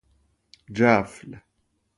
جفل